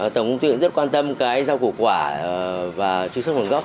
tổng tuyện rất quan tâm cái giao cụ quả và truy xuất hoàn gốc